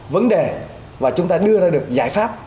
vấn đề và chúng ta đưa ra được giải pháp